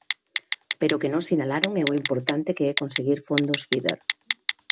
Pero o que non sinalaron é o importante que é conseguir fondos Feader.